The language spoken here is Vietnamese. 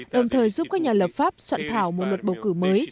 đồng thời giúp các nhà lập pháp soạn thảo một luật bầu cử mới